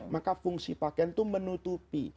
maka fungsi pakaian itu menutupi